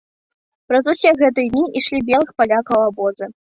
Праз усе гэтыя дні ішлі белых палякаў абозы.